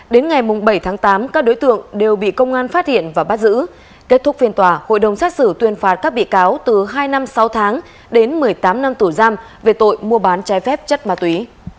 đến ngày bảy tháng tám các đối tượng đều bị công an phát hiện và bắt giữ kết thúc phiên tòa hội đồng xét xử tuyên phạt các bị cáo từ hai năm sáu tháng đến một mươi tám năm tù giam về tội mua bán trái phép chất ma túy